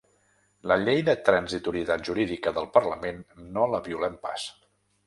La llei de transitorietat jurídica del parlament no la violem pas.